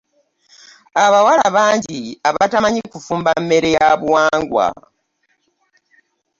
Abawala bangi abatamanyi kufumba mmere ya buwangwa.